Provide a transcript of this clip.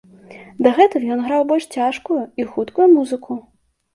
Дагэтуль ён граў больш цяжкую і хуткую музыку.